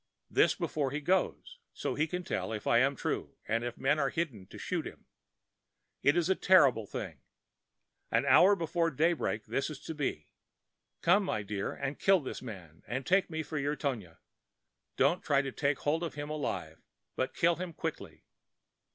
This before he goes, so he can tell if I am true and if men are hidden to shoot him. It is a terrible thing. An hour before daybreak this is to be. Come, my dear one, and kill this man and take me for your Tonia. Do not try to take hold of him alive, but kill him quickly.